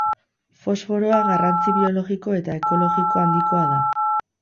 Fosforoa garrantzi biologiko eta ekologiko handikoa da.